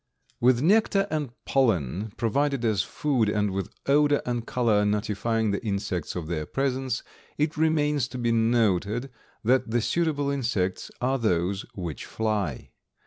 With nectar and pollen provided as food, and with odor and color notifying the insects of their presence, it remains to be noted that the suitable insects are those which fly.